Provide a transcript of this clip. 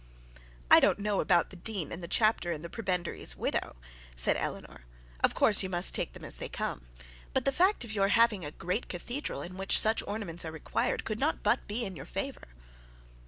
'I don't know about the dean and chapter and the prebendary's widow,' said Eleanor. 'Of course you must take them as they come. But the fact of your having a great cathedral in which such ornaments are required, could not but be in your favour.'